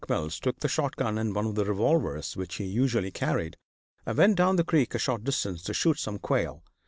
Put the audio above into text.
Mills took the shot gun and one of the revolvers which he usually carried and went down the creek a short distance to shoot some quail.